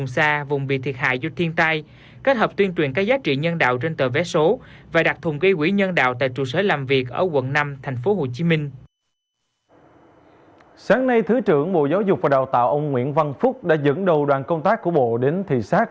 sáng nay thứ trưởng bộ giáo dục và đào tạo ông nguyễn văn phúc đã dẫn đầu đoàn công tác của bộ đến thị xác